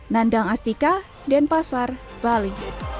nandang astika dan pasar bali